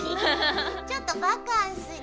ちょっとバカンスに。